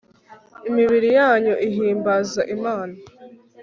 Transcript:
imibiri yanyu ihimbaza imana